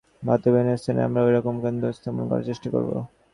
ভারতের বিভিন্ন স্থানে আমরা ঐরকম কেন্দ্র স্থাপন করার চেষ্টা করব।